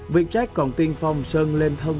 vietjet còn tiên phong sơn lên thang